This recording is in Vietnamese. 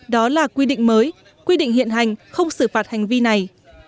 đó là quy định mới quy định hiện hành không xử phạt hành vi này